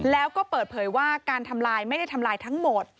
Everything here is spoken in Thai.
แล้วก็เปิดเผยว่าการทำลายไม่ได้ทำลายทั้งหมด